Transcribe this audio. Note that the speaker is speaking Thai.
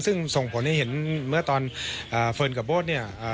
ซึ่งส่งผลให้เห็นเมื่อตอนเฟิร์นกับโบ้เนี่ย